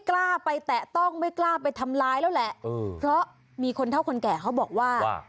กล้าไปแตะต้องไม่กล้าไปทำร้ายแล้วแหละเออเพราะมีคนเท่าคนแก่เขาบอกว่า